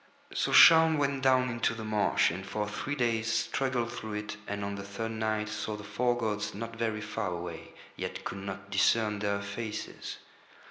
So Shaun went down into the marsh, and for three days struggled through it, and on the third night saw the four gods not very far away, yet could not discern Their faces.